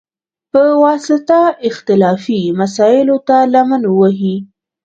په واسطه، اختلافي مسایلوته لمن ووهي،